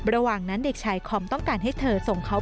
ระหว่างนั้นเด็กชายคอมต้องการให้เธอส่งเขา